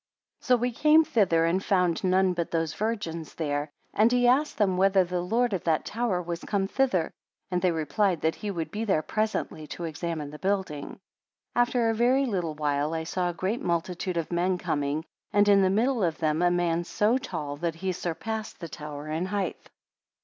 48 So we came thither, and found none but those virgins there. And he asked them whether the Lord of that tower was come thither? And they replied, that he would be there presently to examine the building. 49 After a very little while I saw a great multitude of men coming, and in the middle of them a man so tall, that he surpassed the tower in height.